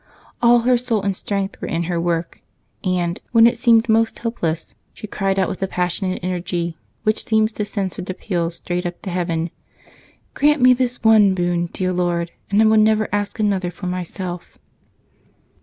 All her soul and strength were in her work, and when it seemed most hopeless, she cried out with the passionate energy which seems to send such appeals straight up to heaven: "Grant me this one boon, dear Lord, and I will never ask another for myself!"